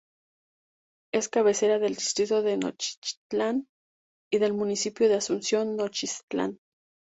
Es cabecera del Distrito de Nochixtlán y del municipio de Asunción Nochixtlán.